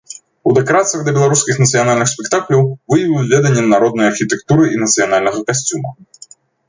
У дэкарацыях да беларускіх нацыянальных спектакляў выявіў веданне народнай архітэктуры і нацыянальнага касцюма.